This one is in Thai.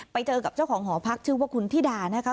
ไปเจอกับเจ้าของหอพักชื่อว่าคุณธิดานะคะ